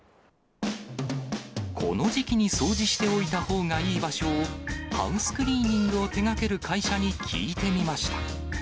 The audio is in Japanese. この時期に掃除しておいたほうがいい場所を、ハウスクリーニングを手がける会社に聞いてみました。